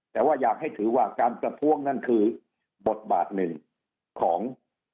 แต่ว่าอยากให้ถือว่าการประท้วงนั่นคือบทบาทหนึ่งของ